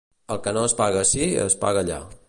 El que no es paga ací, es paga allà.